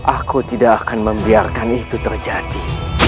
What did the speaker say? aku tidak akan membiarkan itu terjadi